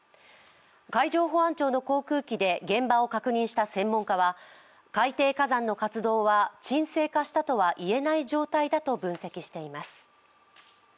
海上保安庁の航空機で現場を確認した専門家は海底火山の活動は沈静化したとはいえない状態だと分析しています。